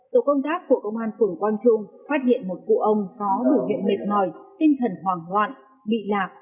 tổ công tác của công an phưởng quang trung phát hiện một cụ ông có bửa viện mệt mỏi tinh thần hoàng loạn bị lạc